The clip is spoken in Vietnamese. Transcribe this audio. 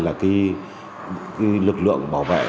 lực lượng bảo vệ